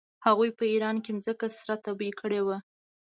هغوی په ایران کې مځکه سره تبې کړې وه.